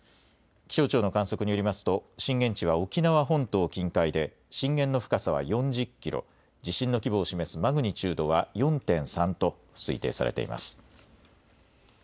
気象庁の観測によりますと、震源地は沖縄本島近海で、震源の深さは４０キロ、地震の規模を示すマグニチュードは４．３と推定されています。